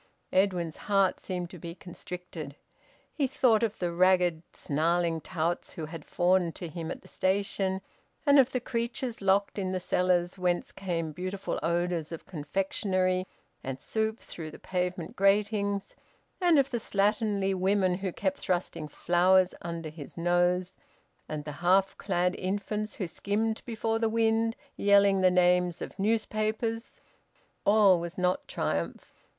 Edwin's heart seemed to be constricted. He thought of the ragged snarling touts who had fawned to him at the station, and of the creatures locked in the cellars whence came beautiful odours of confectionery and soup through the pavement gratings, and of the slatternly women who kept thrusting flowers under his nose, and the half clad infants who skimmed before the wind yelling the names of newspapers. All was not triumph!